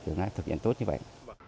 để thực hiện tốt như vậy